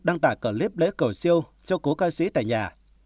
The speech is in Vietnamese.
đăng tải clip lễ cầu siêu cho cố ca sĩ tại nhà